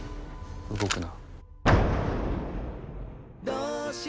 動くな。